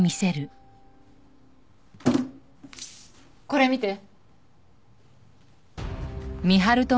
これ見て。